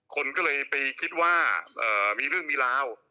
คนก็เลยไปคิดว่ามีเรื่องมีราว